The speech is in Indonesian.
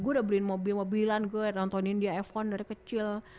gue udah beliin mobil mobilan gue nontonin dia f satu dari kecil